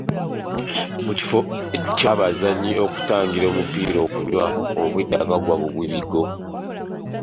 Mu kifo ky'abazannyi okutangira omupiira okunywa, obwedda bagwa bugwi bigwo.